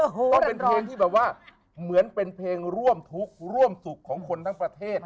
ก็เป็นเพลงที่แบบว่าเหมือนเป็นเพลงร่วมทุกข์ร่วมสุขของคนทั้งประเทศ